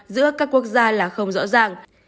giữa các quốc gia là không rõ ràng